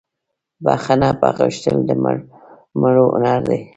بخښنه غوښتل دمړو هنردي